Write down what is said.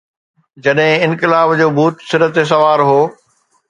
جڏهن انقلاب جو ڀوت سر تي سوار هو.